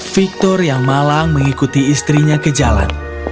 victor yang malang mengikuti istrinya ke jalan